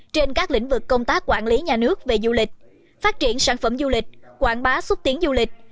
trên các lĩnh vực công tác quản lý nhà nước về du lịch phát triển sản phẩm du lịch quảng bá xúc tiến du lịch